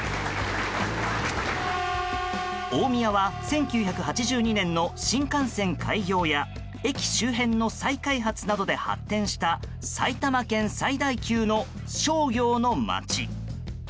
大宮は１９８２年の新幹線開業や駅周辺の再開発などで発展した埼玉県最大級の商業の街。